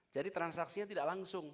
jadi transaksinya tidak langsung